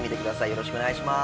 よろしくお願いします。